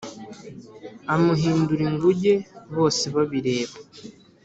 amuhindura ingunge, bose babireba